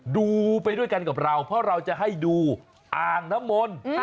ดูไปด้วยกันกับเราเพราะเราจะให้ดูอ่างน้ำมนต์